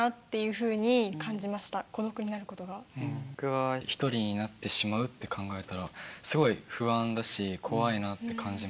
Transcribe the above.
僕は１人になってしまうって考えたらすごい不安だし怖いなって感じます。